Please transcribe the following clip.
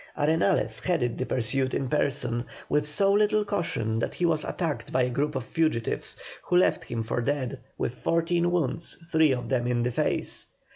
Arenales headed the pursuit in person with so little caution that he was attacked by a group of fugitives, who left him for dead with fourteen wounds, three of them in the face.